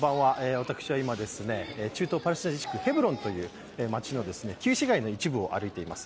私は今、中東パレスチナ自治区ヘブロンという街の旧市街の一部を歩いています。